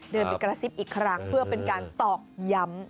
เดินไปกระซิบอีกครั้งเพื่อเป็นการตอกย้ำ